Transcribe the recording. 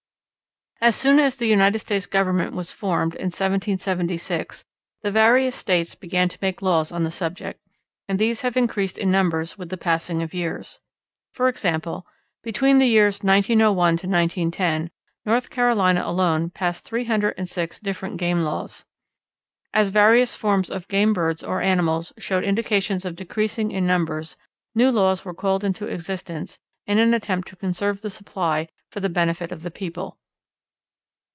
As soon as the United States Government was formed, in 1776, the various States began to make laws on the subject, and these have increased in numbers with the passing of years. For example, between the years 1901 to 1910, North Carolina alone passed three hundred and six different game laws. As various forms of game birds or animals showed indications of decreasing in numbers new laws were called into existence in an attempt to conserve the supply for the benefit of the people.